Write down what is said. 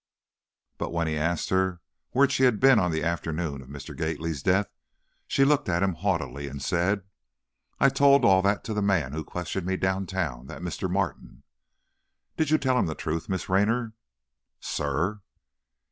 But when he asked her where she had been on the afternoon of Mr. Gately's death, she looked at him haughtily, and said: "I told all that to the man who questioned me downtown, that Mr. Martin." "Did you tell him the truth, Miss Raynor?" "Sir?"